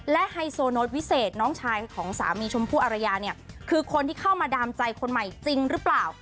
ไฮโซโน้ตวิเศษน้องชายของสามีชมพู่อารยาเนี่ยคือคนที่เข้ามาดามใจคนใหม่จริงหรือเปล่า